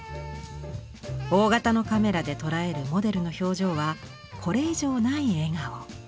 大型のカメラで捉えるモデルの表情はこれ以上ない笑顔。